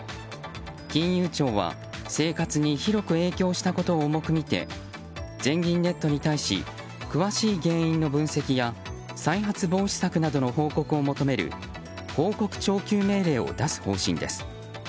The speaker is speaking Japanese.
金融庁は生活に広く影響したことを重く見て、全銀ネットに対し詳しい原因の分析や再発防止策などの報告を求める報告徴求命令を出す方針です。